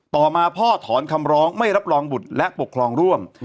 ต่อมาพ่อถอนคำร้องไม่รับรองบุตรและปกครองร่วม